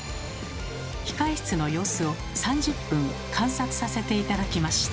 控え室の様子を３０分観察させて頂きました。